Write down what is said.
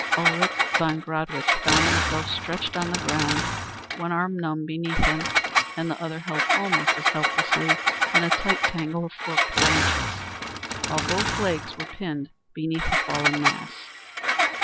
Ulrich von Gradwitz found himself stretched on the ground, one arm numb beneath him and the other held almost as helplessly in a tight tangle of forked branches, while both legs were pinned beneath the fallen mass.